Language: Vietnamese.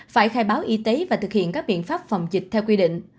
phải khai báo y tế và thực hiện các biện pháp phòng dịch theo quy định